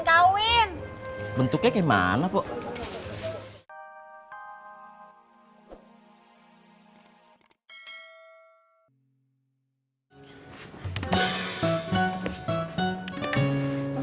bauin bentuknya kemana pokoknya